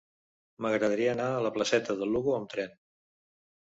M'agradaria anar a la placeta de Lugo amb tren.